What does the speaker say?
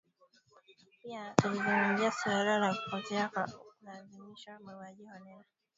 Pia tulizungumzia suala la kupotea kwa kulazimishwa mauaji holela suala la kile kinachojulikana kama